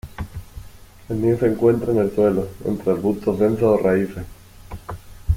El nido se encuentra en el suelo entre arbustos densos o raíces.